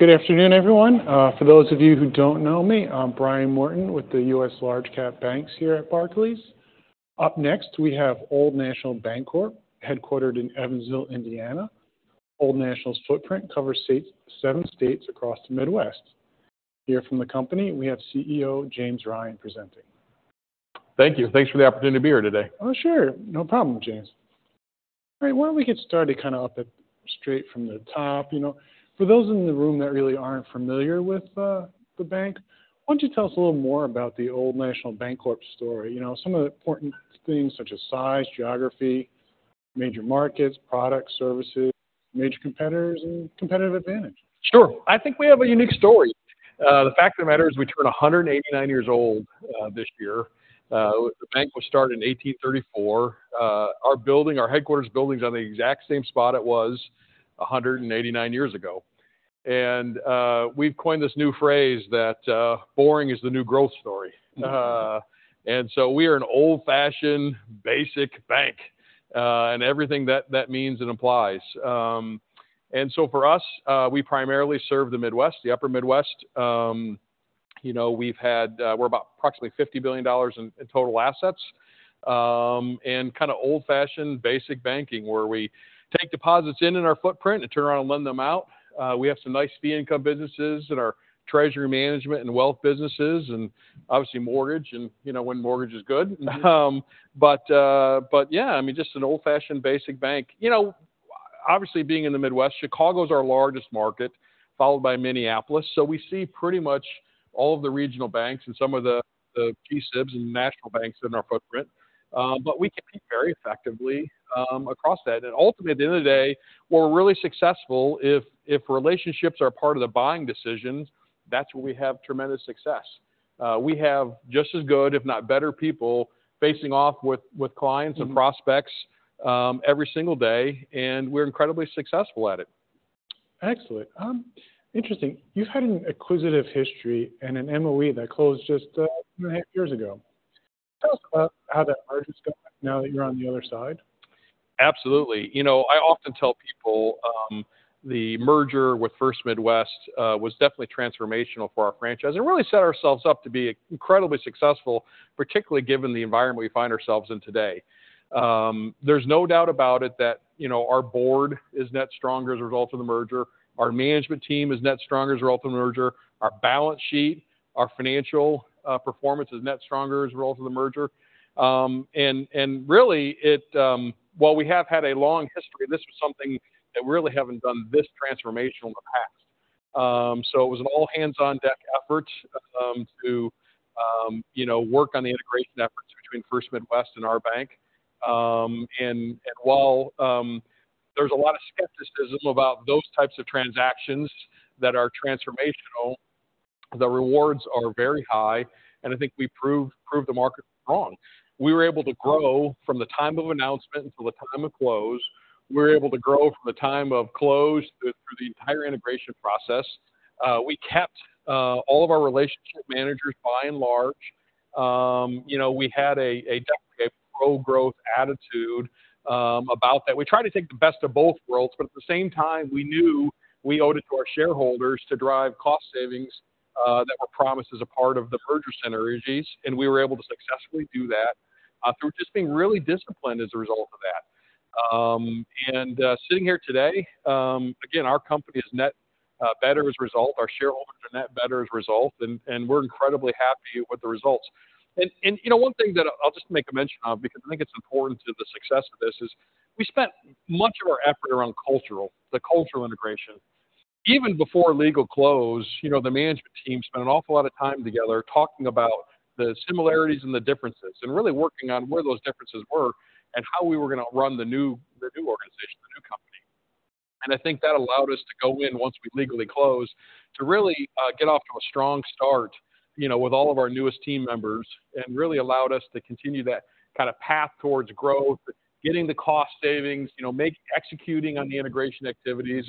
Good afternoon, everyone. For those of you who don't know me, I'm Brian Morton with the U.S. Large Cap Banks here at Barclays. Up next, we have Old National Bancorp, headquartered in Evansville, Indiana. Old National's footprint covers states: seven states across the Midwest. Here from the company, we have CEO James Ryan, presenting. Thank you. Thanks for the opportunity to be here today. Oh, sure. No problem, James. All right, why don't we get started kind of up at straight from the top? You know, for those in the room that really aren't familiar with, the bank, why don't you tell us a little more about the Old National Bancorp story? You know, some of the important things such as size, geography, major markets, products, services, major competitors, and competitive advantage. Sure. I think we have a unique story. The fact of the matter is, we turn 189 years old, this year. The bank was started in 1834. Our building, our headquarters building is on the exact same spot it was 189 years ago. And, we've coined this new phrase that, boring is the new growth story. Mm-hmm. And so we are an old-fashioned, basic bank, and everything that means and applies. And so for us, we primarily serve the Midwest, the Upper Midwest. You know, we're about approximately $50 billion in total assets, and kind of old-fashioned, basic banking, where we take deposits in our footprint and turn around and lend them out. We have some nice fee income businesses in our treasury management and wealth businesses, and obviously mortgage and, you know, when mortgage is good. But yeah, I mean, just an old-fashioned, basic bank. You know, obviously, being in the Midwest, Chicago is our largest market, followed by Minneapolis. So we see pretty much all of the regional banks and some of the key CIBs and national banks in our footprint. But we compete very effectively across that. Ultimately, at the end of the day, we're really successful if relationships are part of the buying decisions, that's where we have tremendous success. We have just as good, if not better, people facing off with clients- Mm-hmm. and prospects, every single day, and we're incredibly successful at it. Excellent. Interesting, you've had an acquisitive history and an MOE that closed just, 2.5 years ago. Tell us about how that merger's going now that you're on the other side? Absolutely. You know, I often tell people, the merger with First Midwest was definitely transformational for our franchise and really set ourselves up to be incredibly successful, particularly given the environment we find ourselves in today. There's no doubt about it that, you know, our board is net stronger as a result of the merger. Our management team is net stronger as a result of the merger. Our balance sheet, our financial performance is net stronger as a result of the merger. And really it, while we have had a long history, this was something that we really haven't done this transformational in the past. So it was an all hands-on deck effort, to you know, work on the integration efforts between First Midwest and our bank. And while there's a lot of skepticism about those types of transactions that are transformational, the rewards are very high, and I think we proved the market wrong. We were able to grow from the time of announcement until the time of close. We were able to grow from the time of close through the entire integration process. We kept all of our relationship managers by and large. You know, we had a pro-growth attitude about that. We tried to take the best of both worlds, but at the same time, we knew we owed it to our shareholders to drive cost savings that were promised as a part of the merger synergies, and we were able to successfully do that through just being really disciplined as a result of that. Sitting here today, again, our company is net better as a result. Our shareholders are net better as a result, and we're incredibly happy with the results. You know, one thing that I'll just make a mention of, because I think it's important to the success of this is, we spent much of our effort around the cultural integration. Even before legal close, you know, the management team spent an awful lot of time together talking about the similarities and the differences, and really working on where those differences were and how we were going to run the new organization, the new company. I think that allowed us to go in once we legally closed, to really get off to a strong start, you know, with all of our newest team members, and really allowed us to continue that kind of path towards growth, getting the cost savings, you know, executing on the integration activities.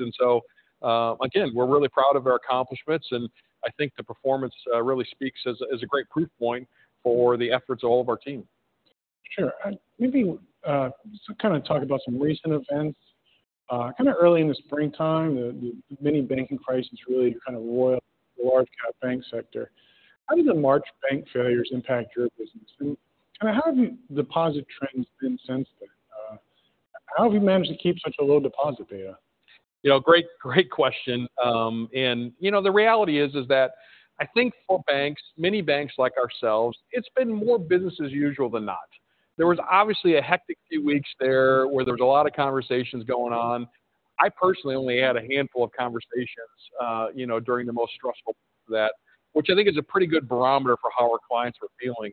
So, again, we're really proud of our accomplishments, and I think the performance really speaks as a, as a great proof point for the efforts of all of our team. Sure. Maybe, so kind of talk about some recent events. Kind of early in the springtime, the mini banking crisis really kind of roiled the large cap bank sector. How did the March bank failures impact your business? And how have deposit trends been since then? How have you managed to keep such a low deposit beta? You know, great, great question. You know, the reality is that I think for banks, many banks like ourselves, it's been more business as usual than not. There was obviously a hectic few weeks there, where there was a lot of conversations going on. I personally only had a handful of conversations, you know, during the most stressful of that, which I think is a pretty good barometer for how our clients were feeling.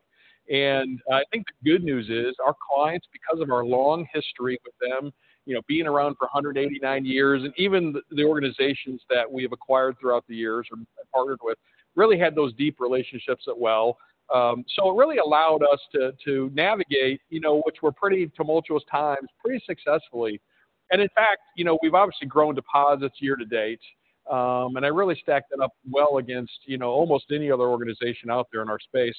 And I think the good news is, our clients, because of our long history with them, you know, being around for 189 years, and even the organizations that we've acquired throughout the years or partnered with, really had those deep relationships as well. So it really allowed us to navigate, you know, which were pretty tumultuous times, pretty successfully. In fact, you know, we've obviously grown deposits year to date. And I really stacked that up well against, you know, almost any other organization out there in our space.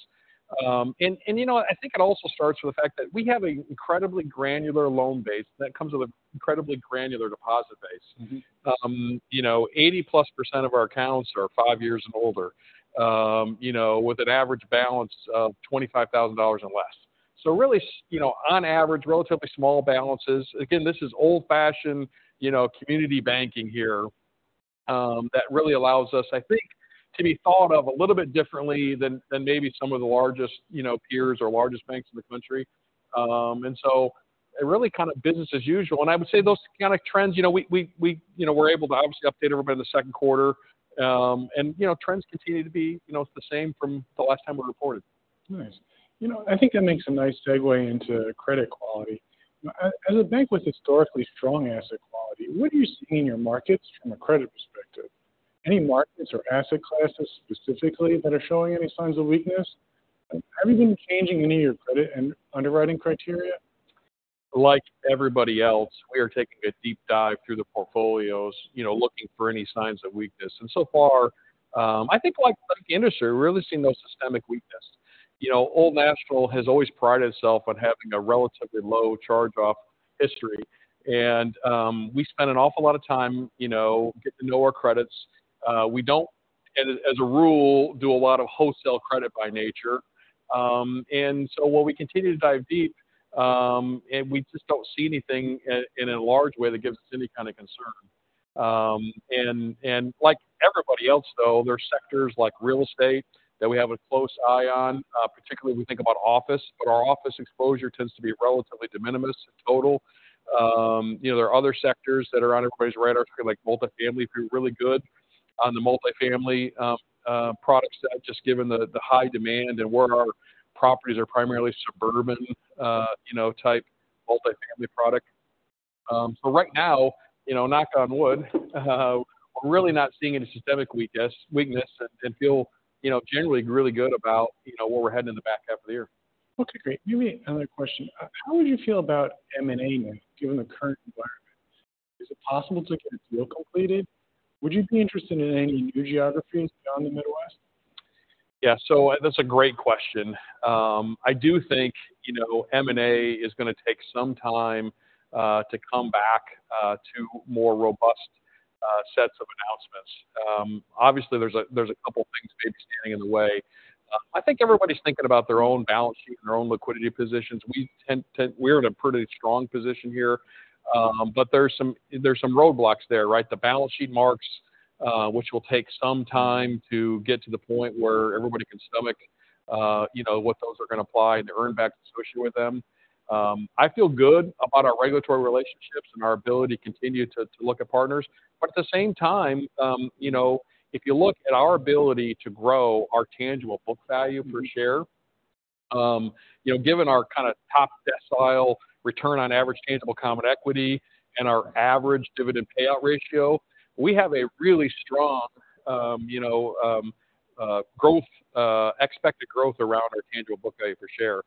And you know what? I think it also starts with the fact that we have an incredibly granular loan base that comes with an incredibly granular deposit base. Mm-hmm. You know, 80%+ of our accounts are 5 years and older, you know, with an average balance of $25,000 and less. So really, you know, on average, relatively small balances. Again, this is old-fashioned, you know, community banking here, that really allows us, I think, to be thought of a little bit differently than maybe some of the largest, you know, peers or largest banks in the country. And so it really kind of business as usual. And I would say those kind of trends, you know, we're able to obviously update everybody in the second quarter. You know, trends continue to be, you know, the same from the last time we reported. Nice. You know, I think that makes a nice segue into credit quality. As a bank with historically strong asset quality, what are you seeing in your markets from a credit perspective? Any markets or asset classes specifically that are showing any signs of weakness? Have you been changing any of your credit and underwriting criteria? Like everybody else, we are taking a deep dive through the portfolios, you know, looking for any signs of weakness. So far, I think, like the industry, we're really seeing no systemic weakness. You know, Old National has always prided itself on having a relatively low charge-off history. And we spend an awful lot of time, you know, getting to know our credits. We don't, as a rule, do a lot of wholesale credit by nature. And so while we continue to dive deep, and we just don't see anything in a large way that gives us any kind of concern. And like everybody else, though, there are sectors like real estate that we have a close eye on, particularly we think about office, but our office exposure tends to be relatively de minimis in total. You know, there are other sectors that are on everybody's radar, like multifamily. We're really good on the multifamily products that just given the high demand and where our properties are primarily suburban, you know, type multifamily product. So right now, you know, knock on wood, we're really not seeing any systemic weakness and feel, you know, generally really good about, you know, where we're heading in the back half of the year. Okay, great. Give me another question. How would you feel about M&A now, given the current environment? Is it possible to get a deal completed? Would you be interested in any new geographies beyond the Midwest? Yeah. So that's a great question. I do think, you know, M&A is going to take some time to come back to more robust sets of announcements. Obviously, there's a couple things maybe standing in the way. I think everybody's thinking about their own balance sheet and their own liquidity positions. We're in a pretty strong position here, but there's some roadblocks there, right? The balance sheet marks, which will take some time to get to the point where everybody can stomach, you know, what those are going to apply and earn back appreciation with them. I feel good about our regulatory relationships and our ability to continue to look at partners. But at the same time, you know, if you look at our ability to grow our tangible book value per share, you know, given our kind of top decile return on average tangible common equity and our average dividend payout ratio, we have a really strong, you know, growth, expected growth around our tangible book value per share.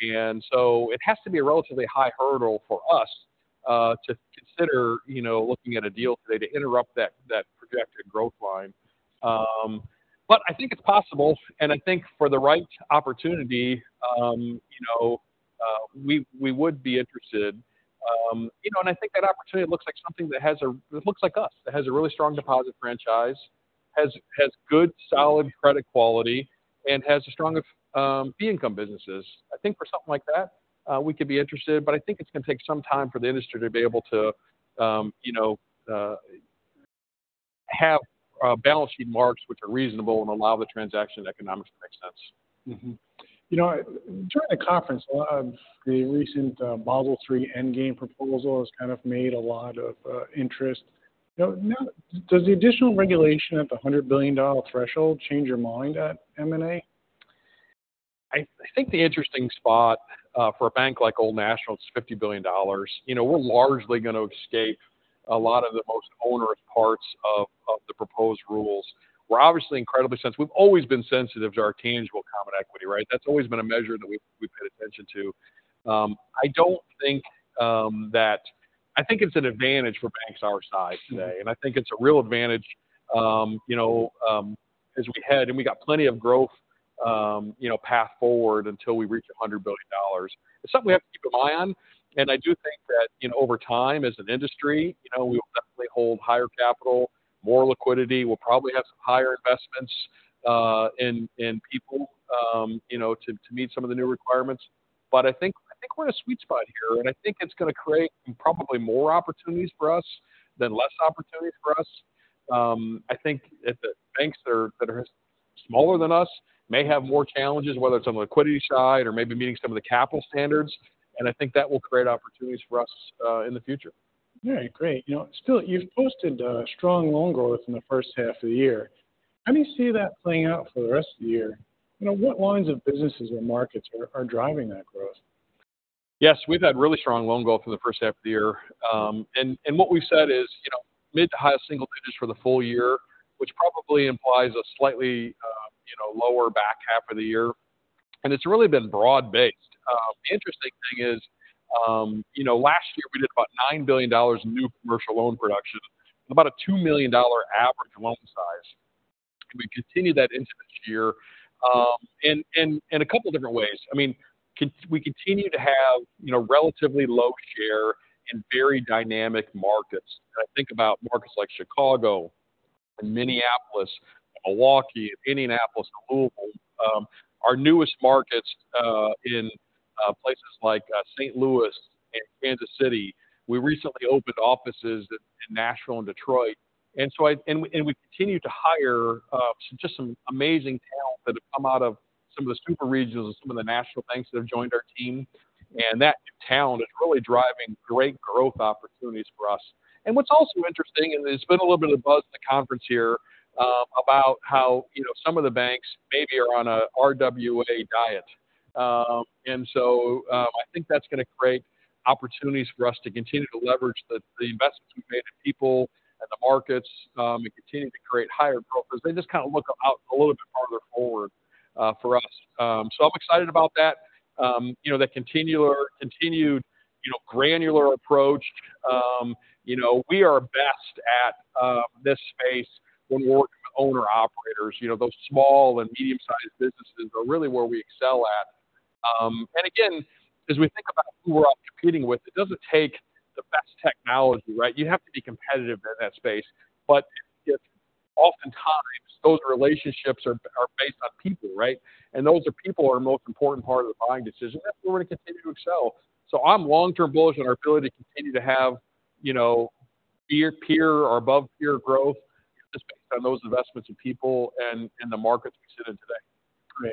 And so it has to be a relatively high hurdle for us, to consider, you know, looking at a deal today to interrupt that projected growth line. But I think it's possible, and I think for the right opportunity, you know, we would be interested. You know, and I think that opportunity looks like something that has a—that looks like us. It has a really strong deposit franchise, has good, solid credit quality, and has a strong, fee income businesses. I think for something like that, we could be interested, but I think it's going to take some time for the industry to be able to, you know, have balance sheet marks which are reasonable and allow the transaction economics to make sense. Mm-hmm. You know, during the conference, a lot of the recent Basel III Endgame proposal has kind of made a lot of interest. Now, now, does the additional regulation of the $100 billion threshold change your mind at M&A? I think the interesting spot for a bank like Old National is $50 billion. You know, we're largely going to escape a lot of the most onerous parts of the proposed rules. We're obviously incredibly sensitive. We've always been sensitive to our tangible common equity, right? That's always been a measure that we've paid attention to. I don't think that I think it's an advantage for banks our size today, and I think it's a real advantage, you know, as we head, and we got plenty of growth, you know, path forward until we reach $100 billion. It's something we have to keep an eye on, and I do think that, you know, over time, as an industry, you know, we will definitely hold higher capital, more liquidity. We'll probably have some higher investments in people, you know, to meet some of the new requirements. But I think we're in a sweet spot here, and I think it's going to create probably more opportunities for us than less opportunities for us. I think if the banks that are smaller than us may have more challenges, whether it's on the liquidity side or maybe meeting some of the capital standards, and I think that will create opportunities for us in the future. All right, great. You know, still, you've posted strong loan growth in the first half of the year. How do you see that playing out for the rest of the year? You know, what lines of businesses or markets are driving that growth? Yes, we've had really strong loan growth in the first half of the year. And what we've said is, you know, mid to high single digits for the full year, which probably implies a slightly, you know, lower back half of the year. And it's really been broad-based. The interesting thing is, you know, last year we did about $9 billion in new commercial loan production, about a $2 million average loan size. We continue that into this year, in a couple different ways. I mean, we continue to have, you know, relatively low share in very dynamic markets. I think about markets like Chicago and Minneapolis, Milwaukee, Indianapolis, Louisville, our newest markets, in places like St. Louis and Kansas City. We recently opened offices in Nashville and Detroit. And so, and we continue to hire just some amazing talent that have come out of some of the super regionals and some of the national banks that have joined our team. And that new talent is really driving great growth opportunities for us. And what's also interesting, and there's been a little bit of buzz at the conference here, about how, you know, some of the banks maybe are on a RWA diet. And so, I think that's going to create opportunities for us to continue to leverage the investments we've made in people and the markets, and continue to create higher growth because they just kind of look out a little bit farther forward, for us. So I'm excited about that. You know, that continued, you know, granular approach. You know, we are best at this space when working with owner-operators. You know, those small and medium-sized businesses are really where we excel at. And again, as we think about who we're all competing with, it doesn't take the best technology, right? You have to be competitive in that space, but yet oftentimes those relationships are based on people, right? And those people are the most important part of the buying decision, and that's where we continue to excel. So I'm long-term bullish on our ability to continue to have, you know, peer or above peer growth, just based on those investments in people and in the markets we sit in today.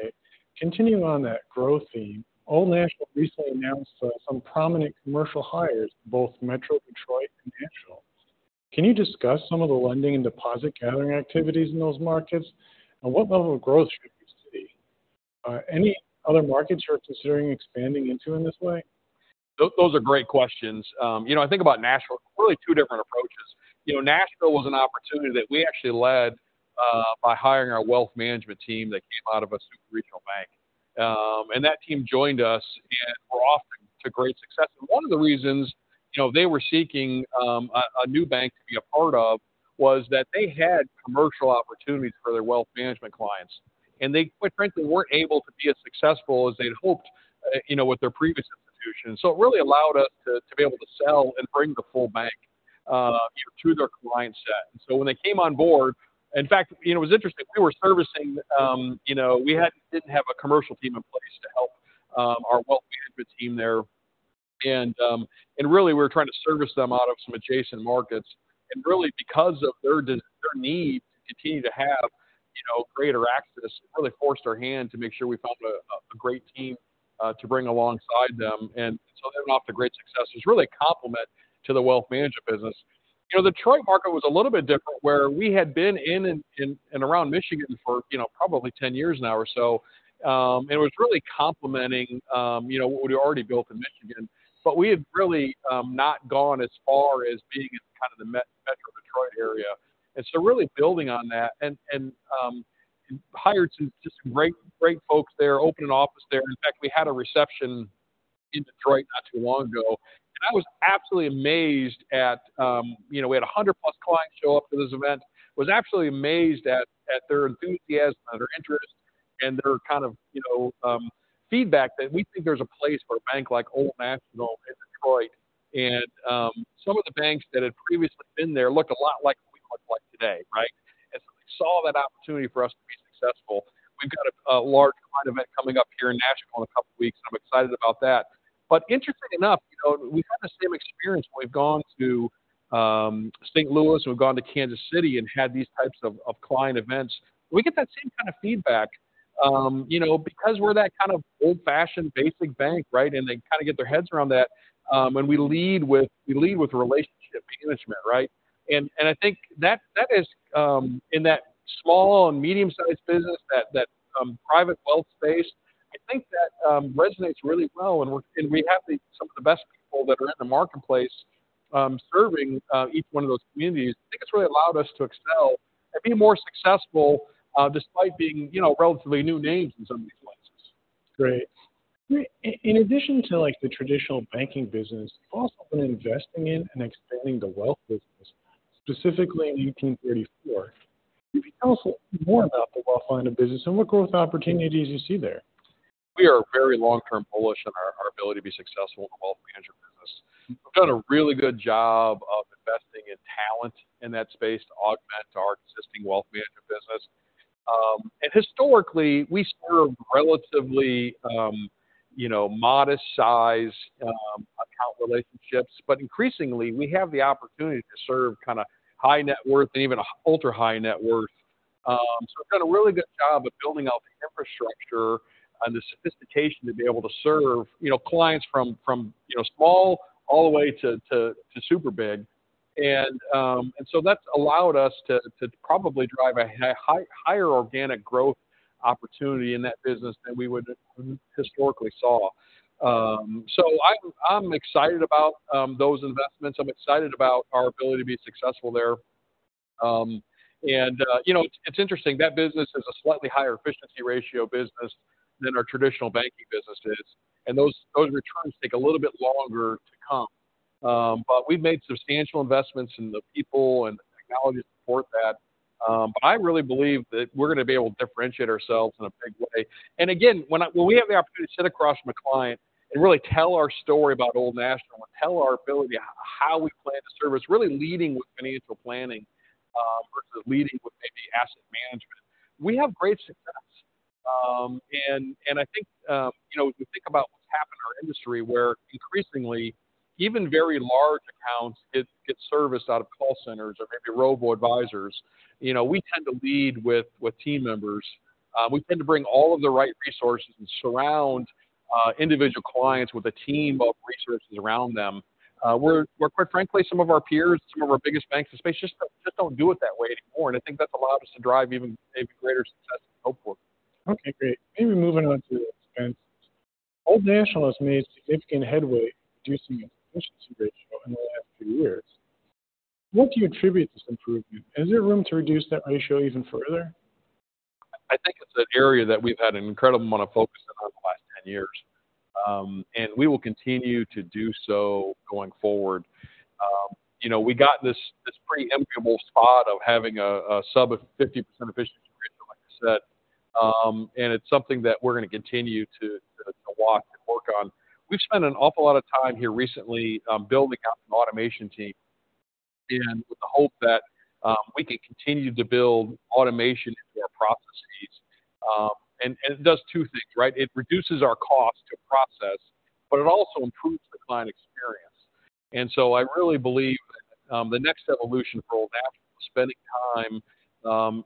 Great. Continuing on that growth theme, Old National recently announced some prominent commercial hires in both Metro Detroit and Nashville. Can you discuss some of the lending and deposit gathering activities in those markets, and what level of growth should we see? Any other markets you're considering expanding into in this way? Those are great questions. You know, I think about Nashville, really two different approaches. You know, Nashville was an opportunity that we actually led by hiring our wealth management team that came out of a super regional bank. And that team joined us and were off to great success. And one of the reasons, you know, they were seeking a new bank to be a part of, was that they had commercial opportunities for their wealth management clients, and they, quite frankly, weren't able to be as successful as they'd hoped, you know, with their previous institution. So it really allowed us to be able to sell and bring the full bank, you know, to their client set. So when they came on board... In fact, you know, it was interesting. We were servicing, you know, we didn't have a commercial team in place to help our wealth management team there. And really, we were trying to service them out of some adjacent markets. And really because of their need to continue to have, you know, greater access, really forced our hand to make sure we found a great team to bring alongside them. And so they've been off to great success. It's really a complement to the wealth management business. You know, the Detroit market was a little bit different, where we had been in and around Michigan for, you know, probably 10 years now or so. And it was really complementing, you know, what we already built in Michigan, but we had really not gone as far as being in kind of the Metro Detroit area. And so really building on that and hired some just great, great folks there, opened an office there. In fact, we had a reception in Detroit not too long ago, and I was absolutely amazed at, you know, we had 100+ clients show up for this event. I was absolutely amazed at their enthusiasm, their interest, and their kind of, you know, feedback that we think there's a place for a bank like Old National in Detroit. And some of the banks that had previously been there looked a lot like we look like today, right? And so we saw that opportunity for us to be successful. We've got a large client event coming up here in Nashville in a couple of weeks, and I'm excited about that. But interestingly enough, you know, we've had the same experience when we've gone to St. Louis, and we've gone to Kansas City and had these types of client events. We get that same kind of feedback, you know, because we're that kind of old-fashioned, basic bank, right? And they kind of get their heads around that. And we lead with relationship management, right? And I think that is in that small and medium-sized business, that private wealth space, I think that resonates really well, and we have some of the best people that are in the marketplace serving each one of those communities. I think it's really allowed us to excel and be more successful, despite being, you know, relatively new names in some of these places. Great. In addition to, like, the traditional banking business, you've also been investing in and expanding the wealth business, specifically in 1834. Can you tell us a little more about the wealth line of business and what growth opportunities you see there? We are very long-term bullish on our ability to be successful in the wealth management business. We've done a really good job of investing in talent in that space to augment our existing wealth management business. Historically, we serve relatively, you know, modest-size account relationships, but increasingly we have the opportunity to serve kind of high net worth and even ultra high net worth. So we've done a really good job of building out the infrastructure and the sophistication to be able to serve, you know, clients from, you know, small all the way to super big. And so that's allowed us to probably drive a higher organic growth opportunity in that business than we would historically saw. So I'm excited about those investments. I'm excited about our ability to be successful there. You know, it's, it's interesting, that business is a slightly higher efficiency ratio business than our traditional banking business is. And those, those returns take a little bit longer to come. But we've made substantial investments in the people and the technology to support that. But I really believe that we're going to be able to differentiate ourselves in a big way. And again, when we have the opportunity to sit across from a client and really tell our story about Old National and tell our ability, how we plan to service, really leading with financial planning, versus leading with maybe asset management, we have great success. I think, you know, if you think about what's happened in our industry, where increasingly even very large accounts get serviced out of call centers or maybe robo-advisors, you know, we tend to lead with team members. We tend to bring all of the right resources and surround individual clients with a team of resources around them. We're where, quite frankly, some of our peers, some of our biggest banks in the space just don't do it that way anymore, and I think that allows us to drive even maybe greater success than we hope for. Okay, great. Maybe moving on to expenses. Old National has made significant headway in reducing its efficiency ratio in the last few years. What do you attribute this improvement? Is there room to reduce that ratio even further? I think it's an area that we've had an incredible amount of focus in on the last 10 years. We will continue to do so going forward. You know, we got in this pretty enviable spot of having a sub of 50% efficiency ratio, like I said. It's something that we're going to continue to walk and work on. We've spent an awful lot of time here recently building out an automation team, and with the hope that we can continue to build automation into our processes. It does two things, right? It reduces our cost to process, but it also improves the client experience. I really believe that the next evolution for Old National is spending time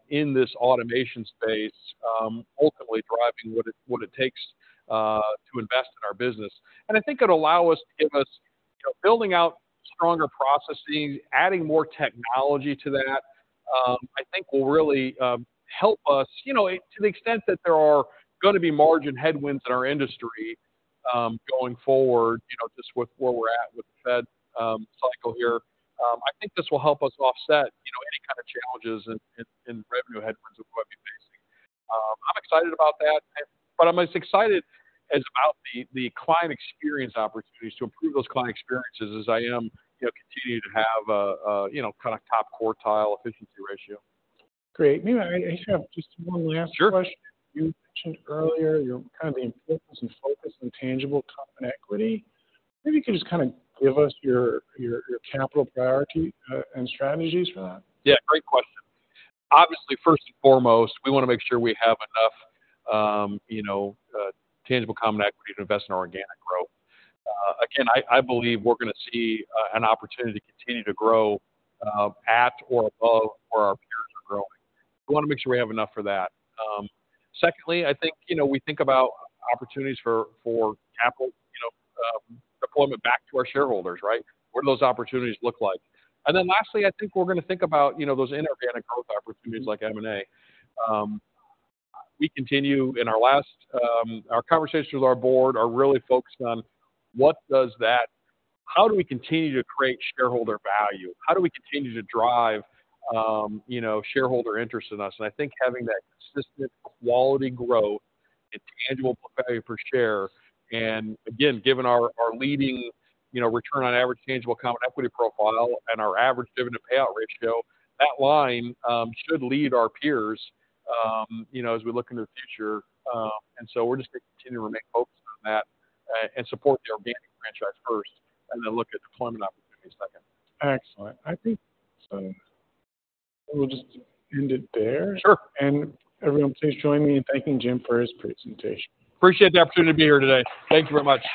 in this automation space, ultimately driving what it, what it takes to invest in our business. I think it'll allow us to give us, you know, building out stronger processes, adding more technology to that. I think will really help us, you know, to the extent that there are going to be margin headwinds in our industry going forward, you know, just with where we're at with the Fed cycle here. I think this will help us offset, you know, any kind of challenges and revenue headwinds that we'll be facing. I'm excited about that, but I'm as excited about the client experience opportunities to improve those client experiences as I am, you know, continuing to have a you know, kind of top quartile efficiency ratio. Great. Maybe I just have one last- Sure. Question. You mentioned earlier, you know, kind of the importance and focus on tangible common equity. Maybe you could just kind of give us your capital priority and strategies for that. Yeah, great question. Obviously, first and foremost, we want to make sure we have enough, you know, tangible common equity to invest in our organic growth. Again, I believe we're going to see an opportunity to continue to grow at or above where our peers are growing. We want to make sure we have enough for that. Secondly, I think, you know, we think about opportunities for capital, you know, deployment back to our shareholders, right? What do those opportunities look like? And then lastly, I think we're going to think about, you know, those inorganic growth opportunities like M&A. Our conversations with our board are really focused on how do we continue to create shareholder value? How do we continue to drive, you know, shareholder interest in us? I think having that consistent quality growth and tangible value per share, and again, given our leading, you know, return on average tangible common equity profile and our average dividend payout ratio, that line should lead our peers, you know, as we look into the future. So we're just going to continue to remain focused on that, and support the organic franchise first, and then look at deployment opportunities second. Excellent. I think so we'll just end it there. Sure. Everyone, please join me in thanking Jim for his presentation. Appreciate the opportunity to be here today. Thank you very much.